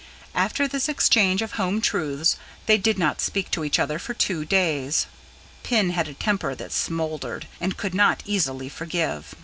After this exchange of home truths, they did not speak to each other for two days: Pin had a temper that smouldered, and could not easily forgive.